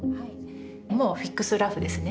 もうフィックスラフですね。